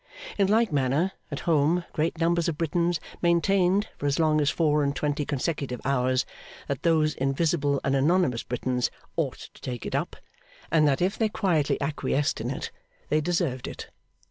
In like manner, at home, great numbers of Britons maintained, for as long as four and twenty consecutive hours, that those invisible and anonymous Britons 'ought to take it up;' and that if they quietly acquiesced in it, they deserved it.